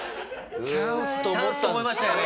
チャンスと思いましたよね